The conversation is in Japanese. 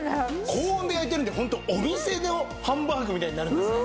高温で焼いているのでホントお店のハンバーグみたいになるんですね。